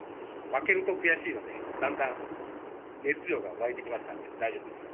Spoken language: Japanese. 負けると悔しいので、だんだん熱量がわいてきましたんで、大丈夫です。